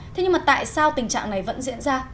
thế nhưng mà tại sao tình trạng này vẫn diễn ra